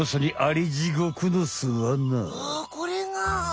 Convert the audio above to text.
おこれが！